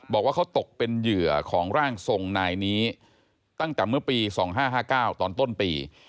บอกว่าเขาตกเป็นเหยื่อของร่างทรงนายนี้ตั้งแต่เมื่อปี๒๕๕๙ตอนต้นปี